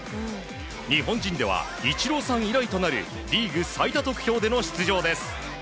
日本人ではイチローさん以来となるリーグ最多得票での出場です。